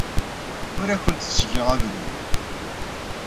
Ur awent-ttgeɣ abrid.